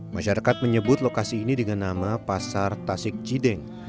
masyarakat menyebut lokasi ini dengan nama pasar tasik cideng